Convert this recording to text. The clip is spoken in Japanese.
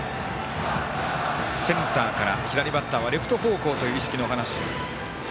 センターから左バッターはレフト方向という意識のお話。